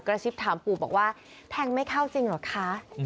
ซิบถามปู่บอกว่าแทงไม่เข้าจริงเหรอคะ